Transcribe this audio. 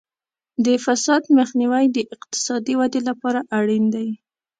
د فساد مخنیوی د اقتصادي ودې لپاره اړین دی.